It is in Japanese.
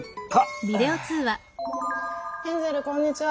ヘンゼルこんにちは。